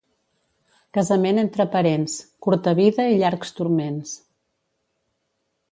Casament entre parents, curta vida i llargs turments.